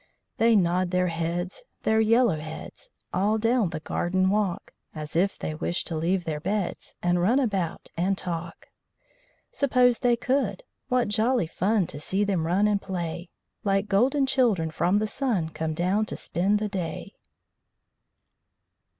They nod their heads, their yellow heads, All down the garden walk; As if they wish to leave their beds, And run about, and talk. Suppose they could! What jolly fun To see them run and play! Like golden children from the sun, Come down to spend the day.